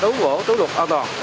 cứu vỗ cứu lục an toàn